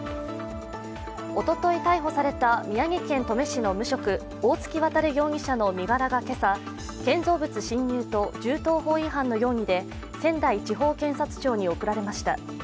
おととい逮捕された宮城県登米市の無職大槻渉容疑者の身柄が今朝建造物侵入と銃刀法違反の容疑で仙台地方検察庁に送られました。